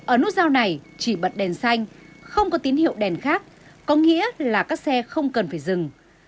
ở nút giao này chỉ bật đèn xanh không có tín hiệu đèn khác có nghĩa là các xe không cần phải dừng